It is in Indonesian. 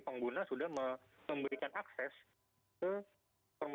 pengguna sudah memberikan akses ke